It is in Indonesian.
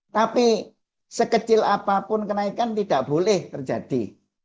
tapi sekecil apapun kenaikan tidak boleh terjadi